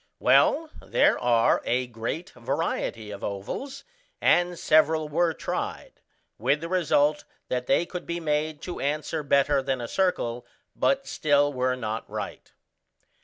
Well, there are a great variety of ovals, and several were tried: with the result that they could be made to answer better than a circle, but still were not right.